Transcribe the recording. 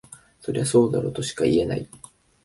そりゃそうだろとしか言えない